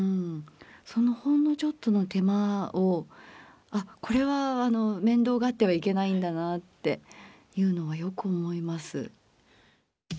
そのほんのちょっとの手間をあこれは面倒がってはいけないんだなっていうのはよく思います。